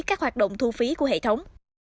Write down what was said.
các hoạt động thu phí của hệ thống